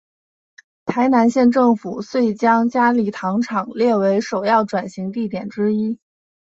台南县政府遂将佳里糖厂列为首要转型地点之一。